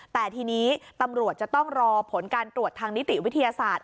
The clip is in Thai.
แต่ทีนี้ตำรวจจะต้องรอผลการตรวจทางนิติวิทยาศาสตร์